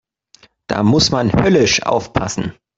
Da muss man höllisch aufpassen.